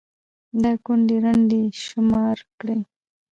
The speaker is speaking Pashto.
دا كونـډې رنـډې شمار كړئ